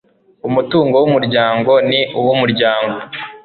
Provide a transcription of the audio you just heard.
umutungo w umuryango ni uw umuryango